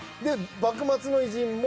幕末の偉人も。